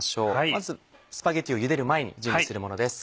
まずスパゲティをゆでる前に準備するものです。